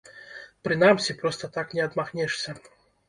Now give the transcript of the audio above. Прынамсі, проста так не адмахнешся.